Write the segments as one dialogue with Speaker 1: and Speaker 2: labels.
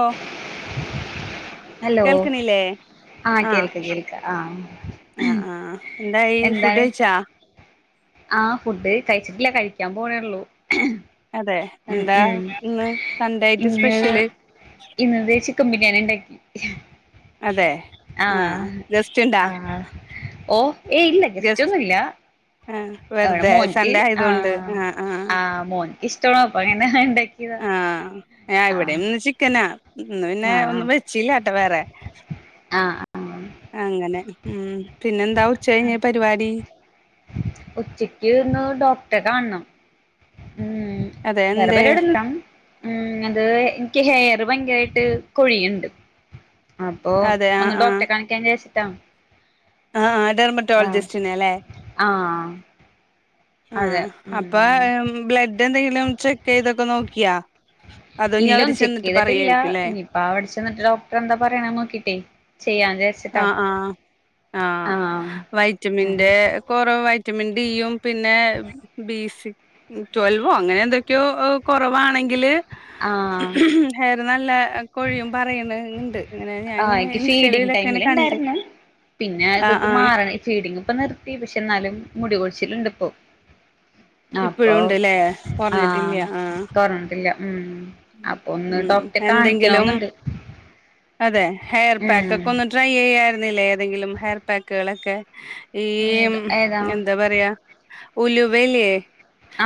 Speaker 1: ഓഹ്
Speaker 2: hello
Speaker 1: കേൾക്കണില്ലേ
Speaker 2: ആഹ് കേൾക്ക കേൾക്ക ആഹ്
Speaker 1: ആഹ് ആഹ് ആഹ് എന്തായി ഫുഡ് കഴിച്ചാ?
Speaker 2: ആഹ് ഫുഡ് കഴിച്ചിട്ടില്ല കഴിക്കാൻ പോണേള്ളൂ
Speaker 1: അതെ
Speaker 2: ഉം
Speaker 1: എന്താ
Speaker 2: ഉം
Speaker 1: ഇന്ന് സൺഡേ ആയിട്ട് സ്പെഷ്യല്
Speaker 2: ഇന്ന് ചിക്കൻ ബിരിയാണി ഇണ്ടാക്കി
Speaker 1: അതെ
Speaker 2: ആഹ്
Speaker 1: ഗസ്റ്റ് ഇണ്ടാ
Speaker 2: ആഹ് ഓഹ് ഏയ് ഇല്ല
Speaker 1: ഗസ്റ്റ്
Speaker 2: ഗസ്റ്റൊന്നുല്ല
Speaker 1: ആഹ്
Speaker 2: ഇവടെ
Speaker 1: വെറുതെ
Speaker 2: മോൻക്ക്
Speaker 1: സൺഡേ ആയതുകൊണ്ട്
Speaker 2: ആഹ് ആഹ് മോൻക്ക് ഇഷ്ടണ് അപ്പ ഇങ്ങനെ ഇണ്ടാക്കിയതാ
Speaker 1: ആഹ് ആഹ് ഇവിടെ ഇന്ന് ചിക്കനാ ഇന്ന് പിന്നെ
Speaker 2: ആ
Speaker 1: ഒന്നും വെച്ചില്ലാട്ടൊ വേറെ
Speaker 2: ആഹ്
Speaker 1: അങ്ങനെ മ് പിന്നെന്താ ഉച്ച കഴിഞ് പരിപാടി
Speaker 2: ഉച്ചക്ക്ന്ന് ഡോക്റ്റെ കാണ്ണം മ്
Speaker 1: അതെ
Speaker 2: വേറെ
Speaker 1: എന്തേ
Speaker 2: പരിപാഡ്യോന്നുല്ല ഉം അത് ഇൻക്ക് ഹെയർ ഭയങ്കരായിട്ട് കൊഴിയ്ണ്ട് അപ്പൊ
Speaker 1: അതെ ആഹ്
Speaker 2: ഒന്ന്
Speaker 1: ആഹ്
Speaker 2: ഡോക്റ്റെ കാണിക്കാഞ്ഞി രാച്ചിട്ടാ
Speaker 1: ആഹ് ആഹ് ഡെർമറ്റോളജിസ്റ്റിനെ ല്ലേ
Speaker 2: ആഹ് അതെ
Speaker 1: ആഹ് അപ്പ
Speaker 2: ഉം
Speaker 1: ബ്ലഡ് എന്തെങ്കിലും ചെക്കെയ്തൊക്കെ നോക്കിയോ അതു ഇഞ്ഞ് അവര് ചെന്നിട്ട് പറയായിര്ക്കുല്ലേ?
Speaker 2: [unintelligible] ചെന്ന്ട്ട് ഡോക്ടറ് എന്താ പറിണെ നോക്കിട്ടേ ചെയ്യാന്ന് വിചാരിച്ച്
Speaker 1: ആഹ് ആഹ് ആഹ്
Speaker 2: ആഹ്
Speaker 1: വൈറ്റമിന്റെ കൊറവ് വൈറ്റമിൻ ഡിയും പിന്നെ ബി സി ട്വൽവോ അങ്ങനെ എന്തൊക്കെയോ ഓഹ് കൊറവാണെങ്കില്
Speaker 2: ആഹ്
Speaker 1: ഹെയർ നല്ല കൊഴിയും പറയണണ്ട്.
Speaker 2: ആ ഇൻക്ക് ഫീഡിങ് ടൈമിൽ ഇണ്ടായിരുന്നു. പിന്നെ, അതൊക്കെ മാർ ആഹ് ഈ ഫീഡിങ് ഇപ്പ നിർത്തി പക്ഷെ ഇന്നാലും മുടികൊഴിച്ചില്ണ്ട് ഇപ്പം അപ്പ
Speaker 1: ഇപ്പഴും ഉണ്ട്ല്ലേ
Speaker 2: ആം
Speaker 1: കൊറഞ്ഞിട്ടില്ല ആഹ്
Speaker 2: തൊർന്ന്ട്ട്ല്ല മ് അപ്പൊ ഒന്ന്
Speaker 1: ഉം
Speaker 2: ഡോക്റ്റെ
Speaker 1: എന്തെങ്കിലും
Speaker 2: കാണിക്കണോന്നണ്ട്.
Speaker 1: അതെ, ഹെയർ പാക്കൊക്കെ ഒന്ന് ട്രൈ ചെയ്യായിരുന്നില്ലേ ഏതെങ്കിലും ഹെയർ പാക്കളെക്കെ. ഈ മ്
Speaker 2: ഏതാ
Speaker 1: എന്താ പറയാ ഉലുവയില്ലേ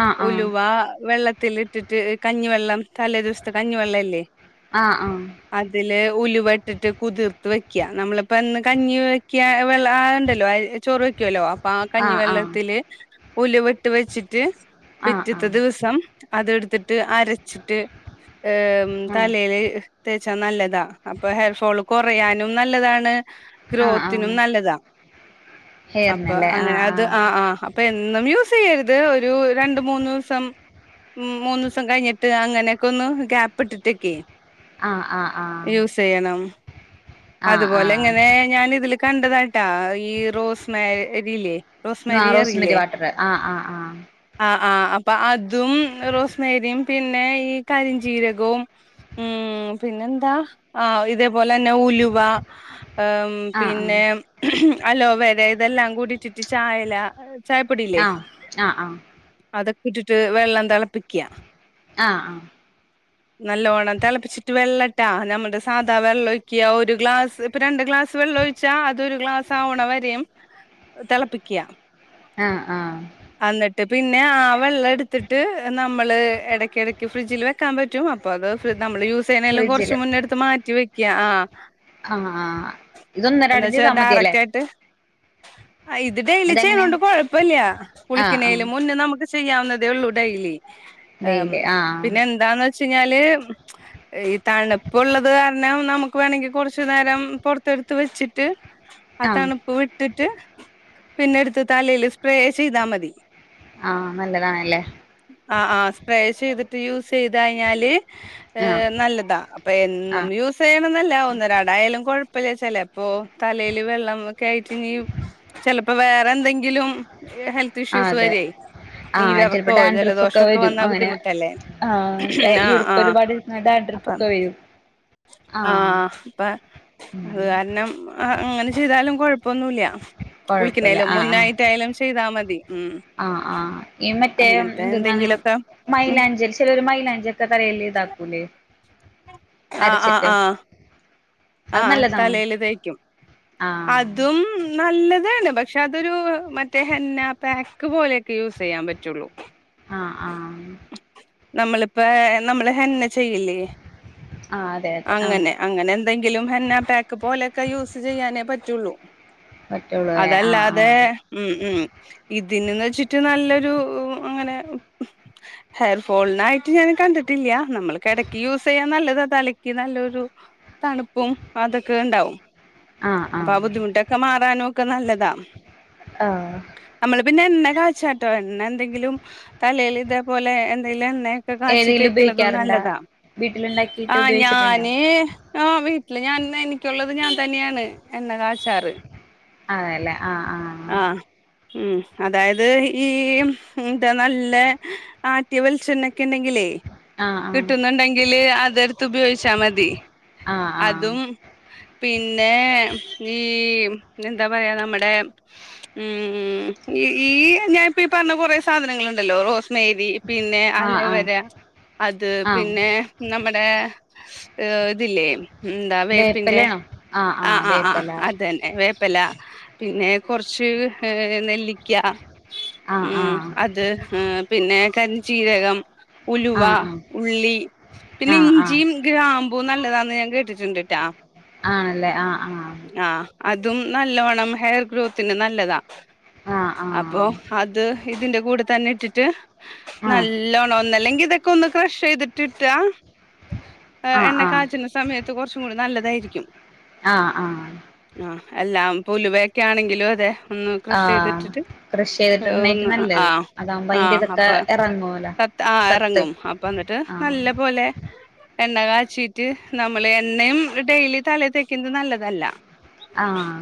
Speaker 2: ആഹ്
Speaker 1: ഉലുവ
Speaker 2: ആഹ്
Speaker 1: വെള്ളത്തിലിട്ടിട്ട് കഞ്ഞിവെള്ളം തലേ ദിവസ്ത്തെ കഞ്ഞിവെള്ളല്ലേ
Speaker 2: ആഹ് ആഹ്
Speaker 1: അതില് ഉലുവട്ടിട്ട് കുതിർത്ത് വെക്ക്യ, നമ്മള്പ്പോ എന്ന് കഞ്ഞി വെക്യ വെള്ള ആഹ് ഇണ്ട ല്ലോ അയ് ചോറ് വെ ക്കുല്ലൊ അപ്പൊ ആ
Speaker 2: ആഹ് ആഹ്
Speaker 1: കഞ്ഞിവെള്ളത്തില് ഉലുവട്ട് വെച്ചിട്ട്
Speaker 2: ആഹ് ആഹ്
Speaker 1: പിറ്റത്തെ ദിവസം അതെട്ത്തിട്ട് അരച്ചിട്ട് ആം
Speaker 2: ആഹ് ആഹ്
Speaker 1: തലയില് തേച്ചാ നല്ലതാ അപ്പൊ ഹെയർ ഫോള് കൊറയാനും നല്ലതാണ്
Speaker 2: ആഹ് ആഹ്
Speaker 1: ഗ്രോത്തിനും നല്ലതാ അപ്പൊ
Speaker 2: ഹെയറിനല്ലേ ആഹ്
Speaker 1: അങ്ങനെ അത് ആഹ് ആഹ് അപ്പൊ എന്നും യൂസെയ്യര് ത് ഒരു രണ്ട് മൂന്ന് ദിവസം മ് മൂന്നൂസം കഴിഞ്ഞിട്ട് അങ്ങനെയൊക്കെ ഒന്ന് ഗ്യാപ് ഇട്ടിട്ടൊക്കെ
Speaker 2: ആഹ് ആഹ് ആഹ്
Speaker 1: വേണം അതുപോലെ
Speaker 2: ആഹ്
Speaker 1: ഇങ്ങനെ ഞാൻ ഇതില് കണ്ടതാട്ടാ ഈ റോസ് മേരിയില്ലേ
Speaker 2: ഇന്നാ റോസ് മേരി വാട്ടർ ആഹ് ആഹ് ആഹ്
Speaker 1: ആഹ് ആഹ് അപ്പ അതും റോസ് മേരിയും പിന്നെ ഈ കരിഞ്ജീരകവും മ് പിന്നെ എന്താ? ആഹ് ഇതേപോലെ ന്നെ ഉലു വാ ആം
Speaker 2: ആഹ്
Speaker 1: പിന്നെ
Speaker 2: ആഹ്
Speaker 1: അലോവേര ഇതെല്ലാം കൂടി ഇട്ടിട്ട് ചായല ചായപ്പൊടില്ലേ
Speaker 2: ആഹ് ആഹ് ആഹ്
Speaker 1: അതൊക്കെ ഇട്ടിട്ട് വെള്ളം തിളപ്പിക്ക്
Speaker 2: ആഹ് ആഹ്
Speaker 1: നല്ലോണ്ണം തിളപ്പിച്ചിട്ട് വെള്ളട്ടാ ഞമ്മടെ സാധാ വെള്ള ഒഴുക്കിയ ഒര് ഗ്ലാസ് ഇപ്പ രണ്ട് ഗ്ലാസ് വെള്ള ഒഴിച്ചാ അതൊരു ഗ്ലാസ് ആവണ വരെയും തെളപ്പിക്ക്.
Speaker 2: ആഹ് ആഹ്
Speaker 1: അന്നിട്ട് പിന്നാ ആ വെള്ളം എടുത്തിട്ട് നമ്മള് എടക്ക് എടക്ക് ഫ്രിഡ്ജിൽ വെ ക്കാൻ പറ്റും അപ്പൊ അത് ഫ്രി നമ്മള് യൂസ് ചെയ്യുന്നേലും കൊറച്ച്
Speaker 2: ഫ്രിഡ്ജില്
Speaker 1: മുന്നെ എടുത്ത് മാറ്റി വെക്കിയാ ആഹ്
Speaker 2: ആഹ് ആഹ് ഇതൊന്നരാടം
Speaker 1: വെച്ചാ
Speaker 2: ചെയ്താ മതി അല്ലേ?
Speaker 1: അയ് ഇത് ഡെയിലി
Speaker 2: അതെങ്ങനെ
Speaker 1: ചെയ്യുണോണ്ട് കൊഴപ്പല്ല,
Speaker 2: ആഹ് ആഹ്
Speaker 1: കുളിക്കിനേലും മുന്നേ നമുക്ക് ചെയ്യാവുന്നതേ ഒള്ളൂ ഡെയ്ലി ആം
Speaker 2: ഡെയിലി ആഹ്
Speaker 1: പിന്നെ എന്താന്ന് വെ ച്ച് കഴിഞ്ഞാല് ഈ തണുപ്പ് ഉള്ളത് കാരണം നമുക്ക് വേണങ്കി കൊറ ച്ച് നേരം പൊറത്തെടുത്ത് വെച്ചിട്ട് ആ
Speaker 2: ആഹ്
Speaker 1: തണുപ്പ് വി ട്ടിട്ട് പിന്നെ എടുത്ത് തലേല് സ്പ്രേ ചെയ്താ മതി.
Speaker 2: ആഹ് നല്ലതാണല്ലേ.
Speaker 1: ആഹ് ആഹ് സ്പ്രേ ചെയ്തിട്ട് യൂസ് ചെയ്ത് കഴിഞ്ഞാല്
Speaker 2: ആഹ്
Speaker 1: ഏഹ് നല്ലതാ
Speaker 2: ആ
Speaker 1: പെന്നും യൂസയ്യണെന്നല്ല ഒന്നരാട എന്തായാലും കൊഴപ്പല്ല ചെലേപ്പൊ തലേല് വെള്ളംക്കെയിട്ട്നിയും ചെലപ്പം വേറെ എന്തെങ്കിലും ഹെൽത്ത്
Speaker 2: ആ
Speaker 1: ഇഷ്യൂസ്
Speaker 2: അതെ
Speaker 1: വരെ.
Speaker 2: ആഹ് ചിലപ്പോ
Speaker 1: നീരർക്കോ ജലദോശൊക്കെ വന്നാ ബുദ്ധിമുട്ടല്ലേ?
Speaker 2: ആ
Speaker 1: ആഹ് ആഹ്
Speaker 2: ഈർപ്പൊരുപാട് ഡാഡ്രിപ്പ് ഒക്കെ വരും.
Speaker 1: ആ
Speaker 2: ആഹ്
Speaker 1: പ്പ
Speaker 2: ഉം
Speaker 1: അത് കാരണം അങ്ങനെ ചെയ്താലും കൊഴപ്പൊന്നുല്യാ.
Speaker 2: കൊഴപ്പല്ല
Speaker 1: കുളിക്ക്ണേലും മുന്നായ്ട്ടായാലും ചെയ്താ മതി മ്മ്.
Speaker 2: ആ ആ എ മറ്റെമ് എന്ത‌ന്നാണ്
Speaker 1: എന്തെങ്കിലൊക്കെ ഉം
Speaker 2: മൈലാഞ്ചി അര ചെലര് മൈലാഞ്ചി ഒക്കെ തലേല്‌ ഇതാക്കൂലേ?
Speaker 1: ആ ആ
Speaker 2: അരച്ചിട്ട്
Speaker 1: ആ
Speaker 2: അത്
Speaker 1: ആഹ്
Speaker 2: നല്ലതാണോ
Speaker 1: തലേല് തേക്ക്യും അത്
Speaker 2: ആഹ്
Speaker 1: അതും നല്ലതാണ് പക്ഷെ അതൊരു മറ്റേ ഹെന്ന പേക്ക് പോലെയൊക്കെ യൂസെയ്യാൻ പറ്റൊള്ളൂ.
Speaker 2: ആഹ് ആഹ്.
Speaker 1: നമ്മള്പ്പേ നമ്മള് ഹെന്ന ചെയ്യില്ലേ
Speaker 2: ആഅതെ അതെ ആഹ്.
Speaker 1: അങ്ങനെ അങ്ങനെ എന്തെങ്കിലും ഹന്നാ പേക്ക് പോലെയൊക്കെ യൂസ് ചെയ്യാനേ പറ്റൊള്ളൂ.
Speaker 2: പറ്റുള്ളൂ അല്ലേ ആഹ്
Speaker 1: അതല്ലാതെ
Speaker 2: ആഹ്
Speaker 1: ഉം ഉം ഇതിന്ന്ന്ന് വെച്ച്ട്ട് നല്ലൊരു അങ്ങനെ ഹെയർ ഫോൾനായിട്ട് ഞാൻ കണ്ടിട്ടില്യാ നമ്മൾക് എടക്കി യൂസ് യ്യാൻ നല്ലതാ തലക്കി നല്ലൊരു തണുപ്പും അതൊക്കെ ഇണ്ടാവും.
Speaker 2: ആഹ് ആഹ്.
Speaker 1: ആ ബുദ്ധിമുട്ടൊക്കെ മാറാനും ഒക്കെ നല്ലതാ.
Speaker 2: ആഹ്.
Speaker 1: നമ്മള് പിന്നെ എണ്ണ കാച്ചാട്ടോ എണ്ണ എന്തെങ്കിലും തലയിൽ ഇതേപോലെ എന്തെിലും എണ്ണേ കാച്ചി
Speaker 2: ഏതെങ്കിലും
Speaker 1: തേക്ക്ണതും
Speaker 2: ഉപയോഗിക്കാറുണ്ടാ
Speaker 1: നല്ലതാ
Speaker 2: വീട്ടിലുണ്ടാക്കിട്ട്
Speaker 1: ആ
Speaker 2: ഉപയോഗിച്ചിട്ടുണ്ടോ
Speaker 1: ഞാന് ആഹ് വീട്ടില് ഞാന് എനിക്കുള്ളത് ഞാൻ തന്നെയാണ് എണ്ണ കാച്ചാറ്.
Speaker 2: ആണെല്ലേ ആ ആ.
Speaker 1: മ്മ് അതായത് ഈ മ് താനല്ല ടെ ആട്യ വെൾച്ചെണ്ണ ഓക്കേ ണ്ടെങ്കിലേ
Speaker 2: ആഹ് ആഹ്
Speaker 1: കിട്ന്ന്ണ്ടെങ്കില് അത് തുപയോഗിച്ചാ മതി
Speaker 2: ആഹ് ആഹ്
Speaker 1: അതും പിന്നെ ഈ എന്താ പറയാ നമ്മടെ ഉം ഉം ഇ ഈ ഞാൻപ്പ പറഞ്ഞ കൊറെ സാധനങ്ങള് ണ്ടല്ലോ റോസ്മേരി പിന്നെ
Speaker 2: ആഹ് ആഹ് ആഹ്
Speaker 1: അലോവര അത്
Speaker 2: ആഹ്
Speaker 1: പിന്നെ നമ്മടെ ഏ ഇതില്ലേ എന്താ വേപ്പിന്റെ
Speaker 2: വേപ്പലയാണോ ആഹ്
Speaker 1: ആ
Speaker 2: ആഹ്
Speaker 1: ആ ആ
Speaker 2: വേപ്പല
Speaker 1: അത് അതന്നെ വേപ്പില പിന്നെ കൊർച്ച് ഹ് നെല്ലിക്ക്യാ
Speaker 2: ആഹ്
Speaker 1: ഉം
Speaker 2: ആഹ്
Speaker 1: അത് ഉം പിന്നെ കര്ജീരകം. ഉലുവ
Speaker 2: ആഹ് ആഹ്
Speaker 1: ഉള്ളി പിന്നെ
Speaker 2: ആഹ് ആഹ്
Speaker 1: ഇഞ്ചിയും ഗ്രാമ്പൂ നല്ലതാന്ന് ഞാൻ കേടിട്ട്ണ്ട്ട്ടാ.
Speaker 2: ആണല്ലേ ആ ആ.
Speaker 1: ആഹ് അതും നല്ലോണം ഹെയർ ഗ്രോത്തിന് നല്ലതാ.
Speaker 2: ആഹ്
Speaker 1: അപ്പൊ
Speaker 2: ആഹ്
Speaker 1: അത് ഇതിന്റെ കൂടെ തന്നെ ഇട്ടിട്ട്
Speaker 2: ആഹ്
Speaker 1: നല്ല ല്ലോണം ഒന്നല്ലെങ്കി ഇതൊക്കൊന്ന് ക്രഷയ്തിട്ട്ട്ടാ
Speaker 2: ആഹ്
Speaker 1: എണ്ണ
Speaker 2: ആഹ്
Speaker 1: കാച്ച്ന്ന സമയത്ത് കൊർച്ചും കൂടെ നല്ലതായിരിക്കും.
Speaker 2: ആഹ് ആഹ്.
Speaker 1: ആഹ് എല്ലാം ഇപ്പോ ഉലുവയൊക്കെ ആണെങ്കിലും അതെ. ഒന്ന് ക്രഷ്
Speaker 2: ആഹ്
Speaker 1: ചെയ്തിട്ടിട്ട്
Speaker 2: കൃഷി ചെയ്തിട്ടിടുന്നേറ്റ്
Speaker 1: ഒന്ന്
Speaker 2: നല്ലത്
Speaker 1: ആഹ്
Speaker 2: അതാകുമ്പോ അയിന്റെ
Speaker 1: ആഹ്
Speaker 2: ഇതൊക്കെ
Speaker 1: അപ്പൊ
Speaker 2: ഇറങ്ങുവല്ലോ
Speaker 1: സത്ത് ആഹ്
Speaker 2: സത്ത്
Speaker 1: ഇറങ്ങും അപ്പ എന്നിട്ട്
Speaker 2: ആഹ്
Speaker 1: നല്ല പോലെ എണ്ണ കാച്ചിട്ട് നമ്മള് എണ്ണയും ഡെയിലി തല തേക്കുന്നത് നല്ലതല്ല
Speaker 2: ആഹ്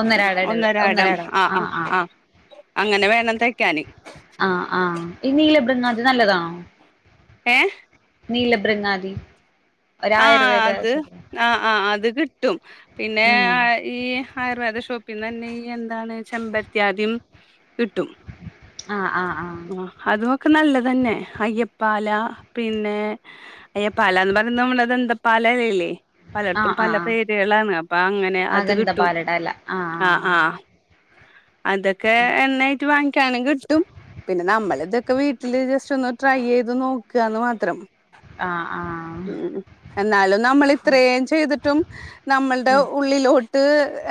Speaker 2: ഒന്നരാട ഇടവി
Speaker 1: ഒന്നിരാടം
Speaker 2: ഒന്നരാട
Speaker 1: ആഹ് ആഹ് ആഹ അങ്ങനെ വേണം തേയ്ക്കാന്
Speaker 2: ആഹ് ആഹ് ഈ നീലബൃങ്ങാതി നല്ലതാണോ?
Speaker 1: ഏഹ്
Speaker 2: നീലബൃങ്ങാതി ഒരു ആയുർവേദ
Speaker 1: ആഹ് ആഹ് അത് കിട്ടും പിന്നെ
Speaker 2: ഉം
Speaker 1: ഈ ആയുർവേദ ഷോപ്പിൽ നിന്ന് തന്നെ ഈ എന്താണ് ചെമ്പരത്യാതി കിട്ടും
Speaker 2: ആഹ ആഹ് ആഹ്
Speaker 1: ആ അതും ഒക്കെ നല്ലതന്നെ അയ്യപ്പാല പിന്നെ അയ്യ പാലന്ന് പറയുന്നത് നമ്മടെ ദന്തപാല തന്നെല്ലേ
Speaker 2: ആഹ്
Speaker 1: പലടുത്തും
Speaker 2: ആഹ്
Speaker 1: പല
Speaker 2: ആഹ്
Speaker 1: പേരുകളാണ് അപ്പൊ അങ്ങനെ
Speaker 2: ആഹ്
Speaker 1: അത് കിട്ടും
Speaker 2: ഗന്ധപാലട അല്ല
Speaker 1: ആഹ് ആഹ് അതൊക്കെ എണ്ണായിട്ട് വാങ്ങിക്കാനും കിട്ടും പിന്നെ നമ്മൾ ഇതൊക്കെ വീട്ടില് ജസ്റ്റ് ഒന്ന് ട്രൈ ചെയ്ത് നോക്കുകാ എന്ന് മാത്രം
Speaker 2: ആഹ് ആഹ്
Speaker 1: ഉം എന്നാലും നമ്മൾ ഇത്രയും ചെയ്തിട്ടും നമ്മളുടെ
Speaker 2: ഉം
Speaker 1: ഉള്ളിലോട്ട് ഇട്ട്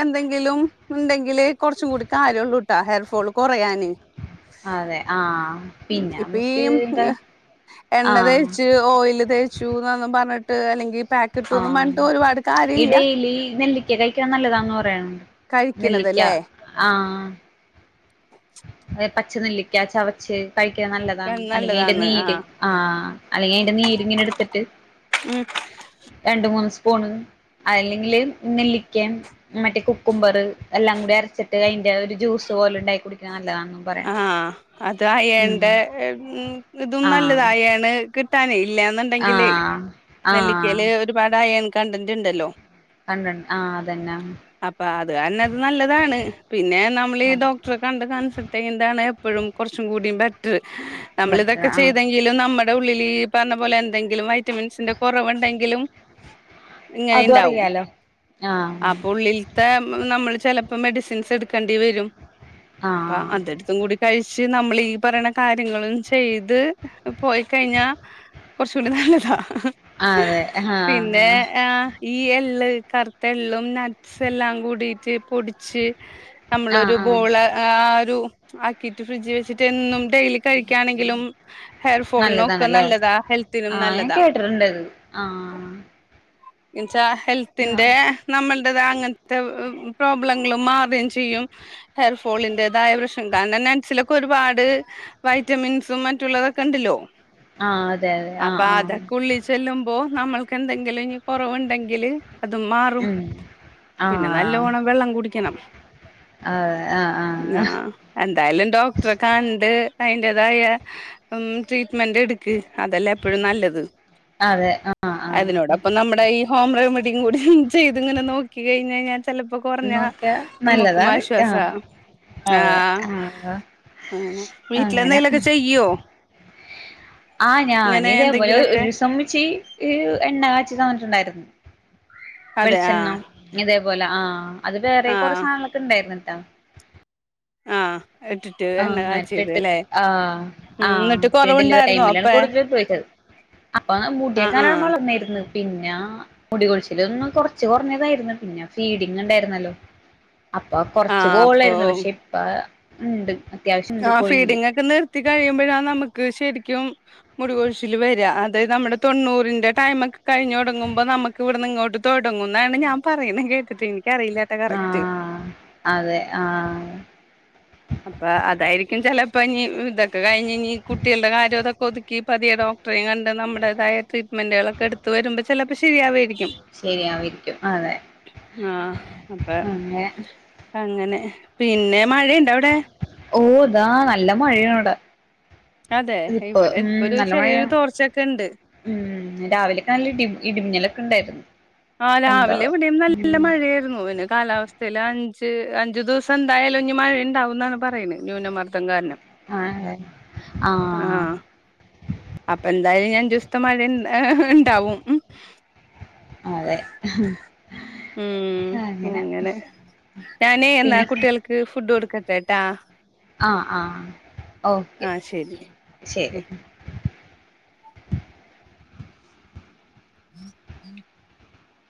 Speaker 1: എന്തെങ്കിലും ഉണ്ടെങ്കില് കുറച്ചും കൂടി കാര്യമുള്ളൂ കേട്ടാ ഹെയർ ഫോള് കുറയാന്
Speaker 2: അതെ ആഹ് പിന്നെ
Speaker 1: ഇപ്പൊ ഈ
Speaker 2: നമുക്ക് എന്താ
Speaker 1: എണ്ണ
Speaker 2: ആഹ്
Speaker 1: തേയ്ച്ചു ഓയിയില് തേയ്ച്ചു എന്നൊന്നും പറഞ്ഞിട്ട് അല്ലെങ്കിൽ പാക്ക്
Speaker 2: ആഹ് ഈ ഡെലി നെല്ലിക്ക കഴിക്കാൻ നല്ലതാന്ന് പറയുന്നു
Speaker 1: കഴിക്ക്ണതല്ലേ
Speaker 2: ആഹ് പച്ച നെല്ലിക്ക ചവച്ച് കഴിക്കണ നല്ലതാ അല്ലെങ്കിൽ അതിന്റെ
Speaker 1: നല്ലതാണ് ആ
Speaker 2: നീര് ആഹ അല്ലെങ്കിൽ അതിന്റെ നീരിങ്ങനെ എടുത്തിട്ട്
Speaker 1: ഉം
Speaker 2: രണ്ട് മൂന്ന് സ്പൂണ് അല്ലെങ്കില് നെല്ലിക്കയും മറ്റേ കുക്കുംബർ എല്ലാം കൂടി അരച്ചിട്ട് അതിന്റെ ഒരു ജ്യൂസ് പോലെ ഉണ്ടാക്കി കുടിക്കണത് നല്ലതാണന്ന്
Speaker 1: ആഹ് അത് അയൺന്റെ ഇതും നല്ലതാ
Speaker 2: ആഹ്
Speaker 1: അയണ് കി കിട്ടാനെ ഇല്ലന്നുണ്ടെങ്കിലേ
Speaker 2: ആഹ് ആഹ്
Speaker 1: നെല്ലിക്കല് ഒരുപാട് അയൺകണ്ടിന്റ് ഉണ്ടല്ലോ
Speaker 2: കണ്ടണ്ട് ആഹ് അതന്നെ
Speaker 1: അപ്പൊ അത് കാരണം ഇത് നല്ലതാണ് പിന്നെ നമ്മൾ ഈ ഡോക് ഡോക്ടറെ കണ്ട് കൺസൽട്ട് ചെയ്യുന്ന ആണ് എപ്പോഴും കുറച്ചും കൂടെ ബെറ്റർ നമ്മള്
Speaker 2: ബട്ടർ
Speaker 1: ഇതൊക്കെ
Speaker 2: ആഹ്
Speaker 1: ചെയ്ത ലും നമ്മുടെ ഉള്ളിൽ ഈ പറഞ്ഞ പോലെ എന്തെങ്കിലും വൈറ്റമിൻസിന്റെ കുറവുണ്ടെങ്കിലും
Speaker 2: അതും
Speaker 1: ഇങ്ങനെണ്ടാവും
Speaker 2: അറിയാലോ
Speaker 1: ആ
Speaker 2: ആഹ്
Speaker 1: പുള്ളിൽ നമ്മള് ചിലപ്പോ മെഡിസിൻസ് എടുക്കേണ്ടി വരും അപ്പം
Speaker 2: ആഹ്
Speaker 1: അതടു അതും കൂടി കഴിച്ച് നമ്മള് ഈ പറയണ കാര്യങ്ങളും ചെയ്ത് പോയി കഴിഞ്ഞാ കുറച്ച് കൂടി നല്ലതാ
Speaker 2: അതെ ആഹ്
Speaker 1: പിന്നെ
Speaker 2: ആഹ്
Speaker 1: ആ ഈ എള്ള് കറുത്ത എള്ളും നട്ട്സ് എല്ലാം കൂടിട്ട് പൊടിച്ച് നമ്മളൊരു
Speaker 2: ആഹ്
Speaker 1: ബോള് ആ ആകിറ്റ് ഫ്രഡ്ജിൽ വെച്ചിട്ട് ഡെയ്‌ലി കഴിക്കാണെങ്കിലും ഹെയർ ഫോളിനൊക്കെ
Speaker 2: നല്ലതാണല്ലേ
Speaker 1: നല്ലതാ ഹെൽത്തിനും
Speaker 2: ആഹ് ഞാൻ
Speaker 1: നല്ലതാ
Speaker 2: കേട്ടിട്ടുണ്ടത് ആഹ്
Speaker 1: എന്ച്ചാ
Speaker 2: ആഹ്
Speaker 1: ഹെൽത്തി്ന്റെ നമ്മളടത് അങ്ങനത്തെ പ്രോബ്ലങ്ങൾ മാറുകയും ചെയ്യും ഹെയർ ഫോളിന്റെ ഇതായ പ്രശ്നം കാരണം നട്സിലൊക്കെ ഒരുപാട് വൈറ്റമിൻസും മറ്റുള്ളതൊക്കെ ഉണ്ടല്ലോ
Speaker 2: ആഹ് അതെ അതെ ആഹ്
Speaker 1: അപ്പൊ
Speaker 2: ആഹ്
Speaker 1: അതൊക്കെ ഉള്ളിൽ ചെല്ലുമ്പോ നമ്മൾക്ക് എന്തെങ്കിലും കുറവുണ്ടെങ്കില് അതും മാറും
Speaker 2: ഉം
Speaker 1: പിന്നെ
Speaker 2: ആഹ്
Speaker 1: നല്ലോണം വെള്ളം കുടിക്കണം
Speaker 2: അതെ ആഹ്
Speaker 1: ആഹ് എന്തായാലും ഡോക്ടറെക്കെ കണ്ട് അതിന്റേതായ ഉം ട്രീറ്റ്മെന്റ് എടുക്ക് അതല്ലേ എപ്പോഴും നല്ലത്
Speaker 2: അതെ ആഹ് ആഹ്
Speaker 1: അതിനോട് അപ്പം നമ്മുടെ ഈ ഹോം റെമഡിയും കൂടി ചെയ്ത് ഇങ്ങനെ നോക്കി കഴിഞ്ഞാൽ ഞാൻ ചിലപ്പോ കുറഞ്ഞ
Speaker 2: നോക്കിയ
Speaker 1: നമ്മുക്കും
Speaker 2: നല്ലതാണ്
Speaker 1: ആശ്വാസ
Speaker 2: ആഹ് അതെ
Speaker 1: ആഹ്
Speaker 2: ആഹ് അങ്ങനെ
Speaker 1: വീട്ടിലെന്തെലൊക്കെ ചെയ്യോ ഇങ്ങനെ എന്തെങ്കിലുംക്കെ
Speaker 2: ചുമിച്ച് എണ്ണ കാച്ചി തന്നിട്ടുണ്ടായിരുന്നു
Speaker 1: അതെ
Speaker 2: വെളിച്ചെണ്ണ
Speaker 1: ആഹ്
Speaker 2: ഇതേപോലെ ആഹ് അത് വേറെ കൊറെ
Speaker 1: ആഹ്
Speaker 2: സാധനങ്ങളൊക്കെ ഉണ്ടായിരുന്ന കേട്ടാ
Speaker 1: ആഹ് ഇട്ടിട്ട് എണ്ണ കാച്ചിയത്
Speaker 2: ആട്ട്
Speaker 1: ല്ലേ
Speaker 2: ആന്
Speaker 1: ഉം
Speaker 2: ആഹ്
Speaker 1: എന്നിട്ട്
Speaker 2: പിന്നെ ഡെലിവറി
Speaker 1: കൊറവുണ്ടായിരുന്നോ
Speaker 2: ടൈമിലാണ്
Speaker 1: അപ്പേ
Speaker 2: കൂടുതല് പോയിച്ചത് അപ്പൊ മുടിയൊക്ക
Speaker 1: ആഹ്
Speaker 2: നല്ലോം
Speaker 1: ആഹ്
Speaker 2: വളർന്നായിരുന്നു പിന്നെ മുടികൊഴിച്ചില് ഒന്ന് കൊറച്ച് കുറഞ്ഞതായിരുന്നു പിന്നെ ഫീഡിങ് ഉണ്ടായിരുന്നല്ലോ അപ്പൊ കൊറച്ചു
Speaker 1: ആഹ് അപ്പൊ
Speaker 2: കോളായിരുന്നു പക്ഷെ ഇപ്പൊ ഉണ്ട്
Speaker 1: ആഹ് ഫീഡിങ് ഒക്കെ നിർത്തി കഴിയുമ്പോഴാ നമുക്ക് ശരിക്കും മുടികോയിച്ചില് വര അത് നമ്മുടെ തൊണ്ണൂറിന്റെ ടൈം ഒക്കെ കഴിഞ്ഞ് തുടങ്ങുമ്പോൾ നമുക്ക് ഇവിടുന്ന് ഇങ്ങോട്ട് തുടങ്ങും എന്നാണ് ഞാൻ പറയുന്നത് കേട്ട് എനിക്കറിയില്ലാട്ടാ കറക്റ്റ്
Speaker 2: ആഹ് അതെ ആഹ്
Speaker 1: അപ്പൊ അതായിരിക്കും ചെലപ്പോ ഇനി ഇതൊക്കെ കഴിഞ്ഞ് ഇനി കുട്ടികളുടെ കാര്യം ഇതൊക്കെ ഒതുക്കി പതിയടോ ഡക്ടറേയും കണ്ട് നമ്മുടേതായ ട്രീറ്റ്മെന്റുകളൊക്കെ എടുത്ത് വരുമ്പൾ ചിലപ്പോൾ ശരിയാവുമായിരിക്കും
Speaker 2: ശരിയാവയിരിക്കും അതെ
Speaker 1: ആഹ് അപ്പ
Speaker 2: അങ്ങനെ
Speaker 1: അങ്ങനെ പിന്നെ മഴയുണ്ടാ അവിടെ
Speaker 2: ഓഹ് താ നല്ല മഴയവിടെ
Speaker 1: അതെ ഇവിടെ ഇപ്പൊ ഒരു
Speaker 2: നല്ല
Speaker 1: ചെറിയൊരു
Speaker 2: മഴയാണ്
Speaker 1: തോർച്ചൊക്കെ ഉണ്ട്
Speaker 2: ഉം രാവിലെയൊക്കെ നല്ല ഇ ഇടിമിന്നലൊക്കെ ഉണ്ടായിരുന്നു
Speaker 1: ആന്ന്
Speaker 2: എന്താ
Speaker 1: രാവിലെ ഇവിടെും നല്ല
Speaker 2: ഉം
Speaker 1: മഴയായിരുന്നു അയ്ന് കാലാവസ്ഥ അഞ്ച് അഞ്ചു ദിവസം എന്തായാലും ഞ്ഞ് മഴയ ഉണ്ടാവും എന്നാണ് പറയുന്നത് ന്യൂനമർദ്ദം കാരണം
Speaker 2: ആഹ് ആഹ്
Speaker 1: അപ്പൊ എന്തായാലും ഞ്ഞ് അഞ്ചു സത്തിന് മഴ ഉണ്ടാവും
Speaker 2: അതെ ഉം
Speaker 1: ഉം അങ്ങനെ ഞാനേ എന്നാ
Speaker 2: പിന്നെ
Speaker 1: കുട്ടികൾക്ക് ഫുഡ് കൊടുക്കട്ടെട്ടാ
Speaker 2: ആഹ് ആഹ് ഓക്കെ
Speaker 1: ആ ശരി
Speaker 2: ശരി
Speaker 1: [inaudible]